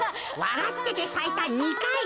わらっててさいた２かい。